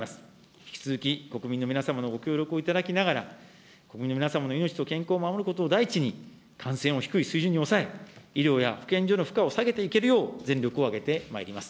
引き続き国民の皆様のご協力をいただきながら、国民の皆様の命と健康を守ることを第一に、感染を低い水準に抑え、医療や保健所の負荷を下げていけるよう、全力を挙げてまいります。